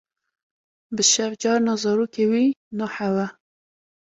Bi şev carna zarokê wî nahewe.